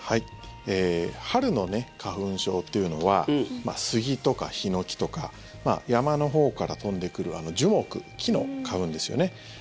春の花粉症というのは杉とかヒノキとか山のほうから飛んでくる樹木、木の花粉ですよね。